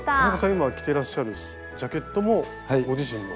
今着てらっしゃるジャケットもご自身の？